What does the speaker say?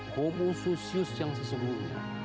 homususius yang sesungguhnya